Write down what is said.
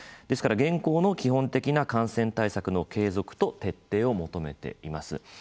ですから現行の基本的な感染対策の継続と徹底を求めています。